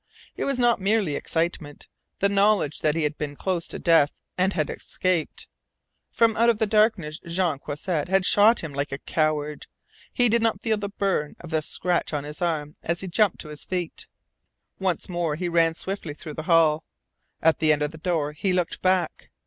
It was not merely excitement the knowledge that he had been close to death, and had escaped. From out of the darkness Jean Croisset had shot at him like a coward. He did not feel the burn of the scratch on his arm as he jumped to his feet. Once more he ran swiftly through the hall. At the end door he looked back.